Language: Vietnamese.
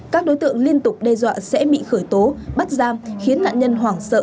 các đối tượng liên tục đe dọa sẽ bị khởi tố bắt giam khiến nạn nhân hoảng sợ